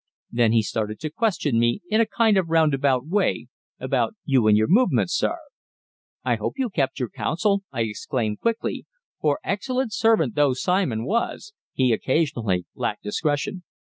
Then he started to question me, in a kind of roundabout way, about you and your movements, sir." "I hope you kept your counsel," I exclaimed quickly, for, excellent servant though Simon, was, he occasionally lacked discretion.